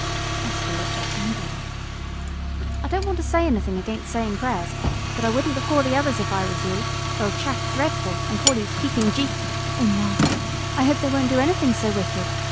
Esther looked up angrily. "I don't want to say anything against saying prayers, but I wouldn't before the others if I was you they'll chaff dreadful, and call you Creeping Jesus." "Oh, Margaret, I hope they won't do anything so wicked.